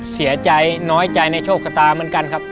เสียใจน้อยใจในโชคชะตาเหมือนกันครับ